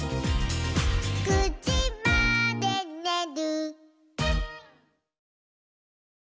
「９じまでにねる」